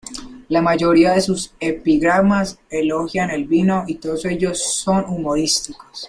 La mayoría de sus epigramas elogian el vino y todos ellos son humorísticos.